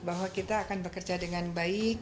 bahwa kita akan bekerja dengan baik